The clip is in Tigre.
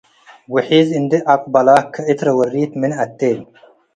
ውሒዝ እንዴ አቅበለ ከእት ረወሪት ምን አቴ